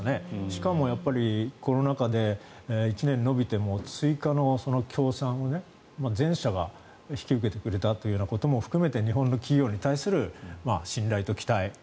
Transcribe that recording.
しかも、コロナ禍で１年延びても追加の協賛を全社が引き受けてくれたということも含めて日本の企業に対する信頼と期待